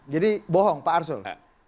jadi bohong pak arsul